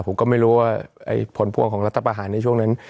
ผมก็ไม่รู้ว่าผลพวงของรัฐประหารในช่วงนั้น